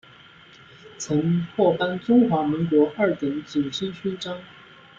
曾获颁中华民国二等景星勋章。